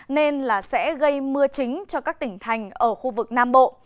nên là sẽ gây mưa chính cho các tỉnh thành ở khu vực nam bộ